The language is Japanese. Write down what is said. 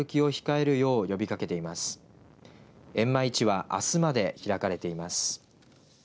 えんま市はあすまで開かれています。